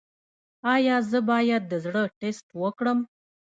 ایا زه باید د زړه ټسټ وکړم؟